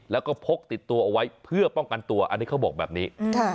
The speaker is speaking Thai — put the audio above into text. แล้วก็พกติดตัวเอาไว้เพื่อป้องกันตัวอันนี้เขาบอกแบบนี้